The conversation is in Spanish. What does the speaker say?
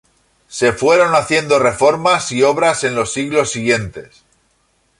Se fueron haciendo reformas y obras en los siglos siguientes.